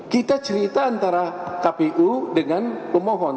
kita cerita antara kpu dengan pemohon